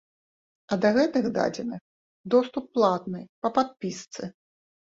А да гэтых дадзеных доступ платны, па падпісцы.